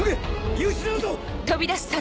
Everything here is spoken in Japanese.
見失うぞ！